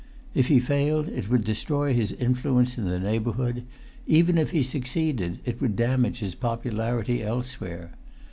If he failed it would destroy his influence in the neighbourhood; even if he succeeded it would damage his popularity elsewhere.